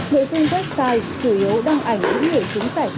nội dung website chủ yếu đăng ảnh những người trúng giải thưởng để tạo nhầm tin